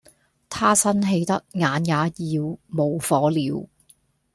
他生氣得眼也要冒火了